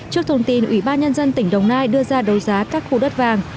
trước thông tin ủy ban nhân dân tỉnh đồng nai đưa ra đấu giá các khu đất vàng